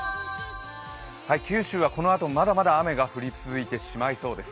九州はこのあとまだまだ雨が降り続いてしまいそうです。